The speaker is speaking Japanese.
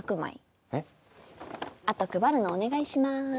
あと配るのお願いします。